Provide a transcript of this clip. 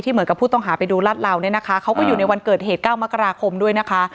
เหมือนกับผู้ต้องหาไปดูรัดเหลาเนี่ยนะคะเขาก็อยู่ในวันเกิดเหตุ๙มกราคมด้วยนะคะ